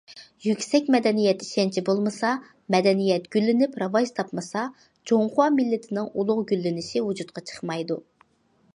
يۈكسەك مەدەنىيەت ئىشەنچى بولمىسا، مەدەنىيەت گۈللىنىپ راۋاج تاپمىسا، جۇڭخۇا مىللىتىنىڭ ئۇلۇغ گۈللىنىشى ۋۇجۇدقا چىقمايدۇ.